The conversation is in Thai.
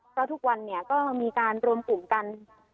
ก็ทุกวันก็มีการรวมกลุ่มกัน